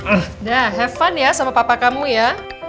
udah have fun ya sama papa kamu ya